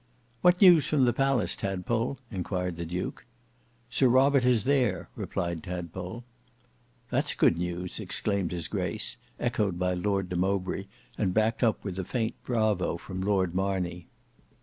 "What news from the palace, Tadpole?" inquired the duke. "Sir Robert is there," replied Tadpole. "That's good news," exclaimed his grace, echoed by Lord de Mowbray, and backed up with a faint bravo from Lord Marney.